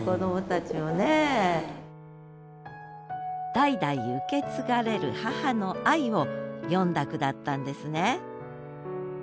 代々受け継がれる母の愛を詠んだ句だったんですね